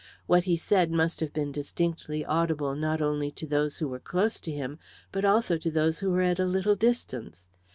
What he said must have been distinctly audible, not only to those who were close to him but also to those who were at a little distance.